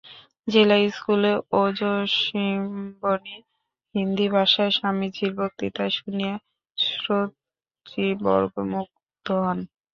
জেলা স্কুলে ওজস্বিনী হিন্দী ভাষায় স্বামীজীর বক্তৃতা শুনিয়া শ্রোতৃবর্গ মুগ্ধ হন।